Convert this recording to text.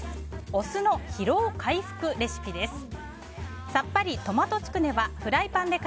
お酢の疲労回復レシピです。